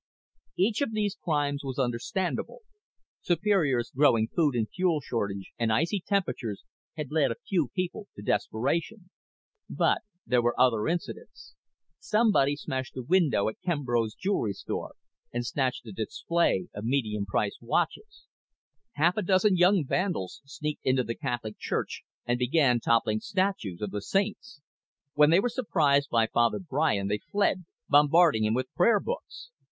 Each of these crimes was understandable Superior's growing food and fuel shortage and icy temperatures had led a few people to desperation. But there were other incidents. Somebody smashed the window at Kimbrough's Jewelry Store and snatched a display of medium priced watches. Half a dozen young vandals sneaked into the Catholic Church and began toppling statues of the saints. When they were surprised by Father Brian they fled, bombarding him with prayer books.